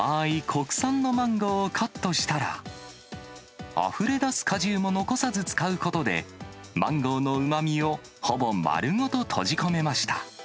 国産のマンゴーをカットしたら、あふれ出す果汁も残さず使うことで、マンゴーのうまみをほぼ丸ごと閉じ込めました。